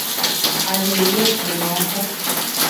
Aje'i osẽma oho.